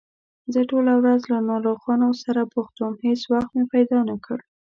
زه ټوله ورځ له ناروغانو سره بوخت وم، هېڅ وخت مې پیدا نکړ